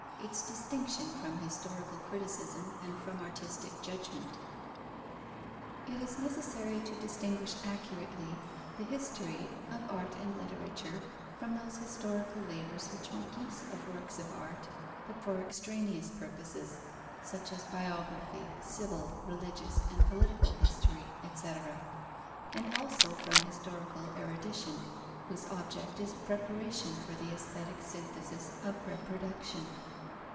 Its distinction from historical criticism and from artistic judgement._ It is necessary to distinguish accurately the history, of art and literature from those historical labours which make use of works of art, but for extraneous purposes (such as biography, civil, religious, and political history, etc.), and also from historical erudition, whose object is preparation for the Aesthetic synthesis of reproduction.